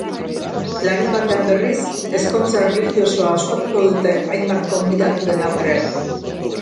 Larunbatean, berriz, ezkontza erlijiosoa ospatuko dute, hainbat gonbidaturen aurrean.